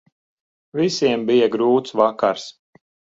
Visiem bija grūts vakars.